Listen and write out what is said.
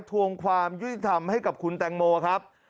ทวงความยุติธรรมให้กับคุณแตงโมครับ